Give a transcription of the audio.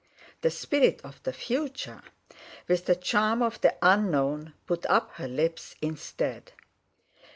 The spirit of the future, with the charm of the unknown, put up her lips instead.